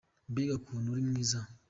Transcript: Mbega ukuntu uri mwiza!